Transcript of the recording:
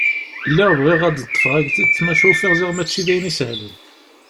Lliɣ bɣiɣ ad ad d-ṭṭfeɣ agḍiḍ maca ufiɣ ziɣ mačči d ayen isehlen.